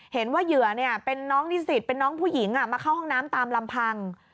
เหยื่อเป็นน้องนิสิตเป็นน้องผู้หญิงมาเข้าห้องน้ำตามลำพัง